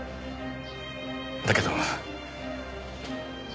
だけど。